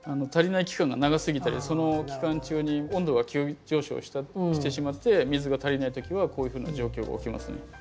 足りない期間が長すぎたりその期間中に温度が急上昇してしまって水が足りない時はこういうふうな状況が起きますね。